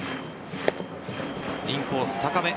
インコース高め。